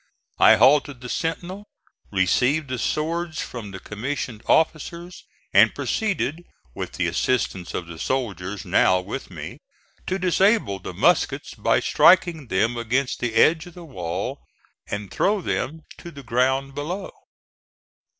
I halted the sentinel, received the swords from the commissioned officers, and proceeded, with the assistance of the soldiers now with me, to disable the muskets by striking them against the edge of the wall, and throw them to the ground below.